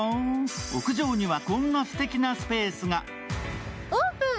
屋上にはこんなすてきなスペースが。